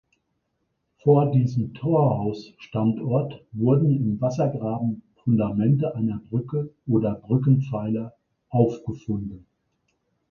Vor diesem Torhaus-Standort wurden im Wassergraben Fundamente einer Brücke oder Brückenpfeiler aufgefunden.